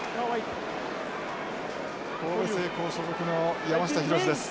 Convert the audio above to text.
神戸製鋼所属の山下裕史です。